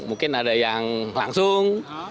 mungkin ada yang langsung